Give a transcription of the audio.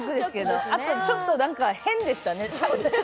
あとちょっとなんか変でしたね。